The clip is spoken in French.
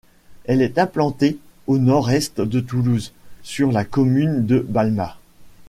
Elle est implantée au nord-est de Toulouse, sur la commune de Balma.